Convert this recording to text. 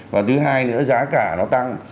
và thứ hai nữa giá cả nó tăng